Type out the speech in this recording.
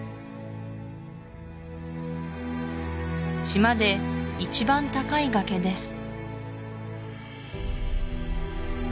島で一番高い崖です